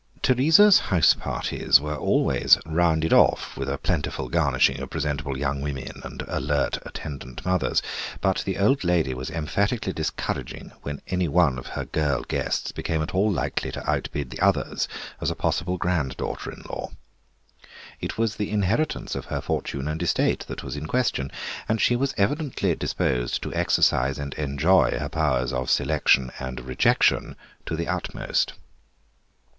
Teresa's house parties were always rounded off with a plentiful garnishing of presentable young women and alert, attendant mothers, but the old lady was emphatically discouraging whenever any one of her girl guests became at all likely to outbid the others as a possible granddaughter in law. It was the inheritance of her fortune and estate that was in question, and she was evidently disposed to exercise and enjoy her powers of selection and rejection to the utmost.